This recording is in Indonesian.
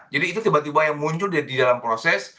jadi itu tiba tiba yang muncul di dalam proses